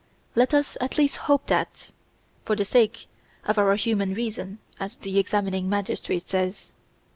Let us at least hope that, for the sake of our human reason, as the examining magistrate says.